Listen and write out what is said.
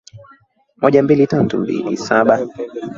kuibiwa kura na rais wa sasa alibong onimba